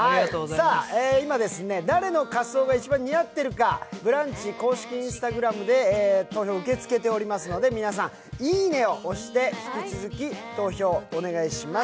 今、誰の仮装が一番似合っているか「ブランチ」公式Ｉｎｓｔａｇｒａｍで投票を受け付けておりますので皆さん、「いいね」を押して引き続き投票、お願いします。